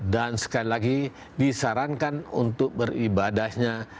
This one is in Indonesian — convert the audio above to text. dan sekali lagi disarankan untuk beribadahnya